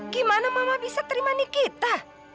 gimana mama bisa terima nikita